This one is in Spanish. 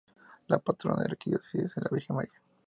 La patrona de la arquidiócesis es la Virgen María.